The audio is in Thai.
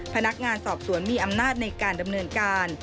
พนักงานสอบสวนมีอำนาจในการดำเนินการ